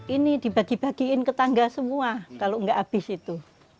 ini dibagi bagiin ke tangga semua kalau nggak habis itu